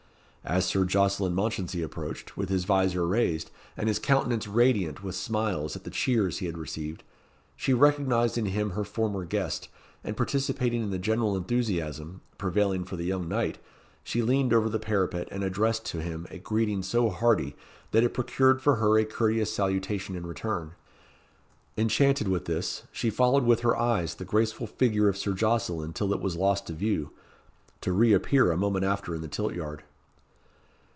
As Sir Jocelyn Mounchensey approached, with his visor raised, and his countenance radiant with smiles at the cheers he had received, she recognised in him her former guest, and participating in the general enthusiasm, prevailing for the young knight, she leaned over the parapet, and addressed to him a greeting so hearty that it procured for her a courteous salutation in return. Enchanted with this, she followed with her eyes the graceful figure of Sir Jocelyn till it was lost to view to re appear a moment after in the tilt yard.